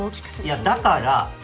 いやだから。